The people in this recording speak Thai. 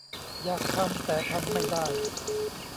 อยากทำ แต่ทำไม่ได้